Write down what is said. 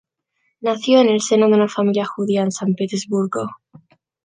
Nació en el seno de una familia judía en San Petersburgo.